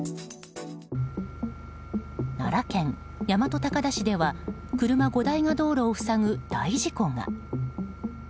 奈良県大和高田市では車５台が道路を塞ぐ大事故が。